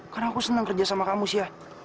karena aku senang kerja sama kamu siar